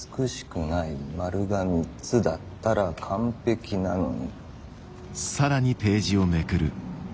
丸が３つだったら完璧なのに！」。